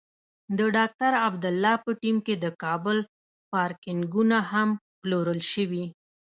د ډاکټر عبدالله په ټیم کې د کابل پارکېنګونه هم پلورل شوي.